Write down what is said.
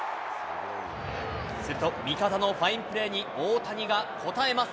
すると味方のファインプレーに、大谷が応えます。